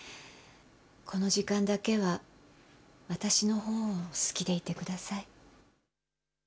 この時間だけは私のほうを好きでいてください。